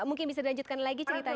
mungkin bisa dilanjutkan lagi ceritanya